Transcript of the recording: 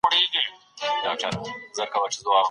ایا تاسو پوهېږئ کاري فشار څه ډول اغېز کوي؟